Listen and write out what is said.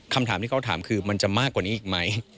คำถามที่เขาถามคือมันจะมากกว่านี้อีกไหม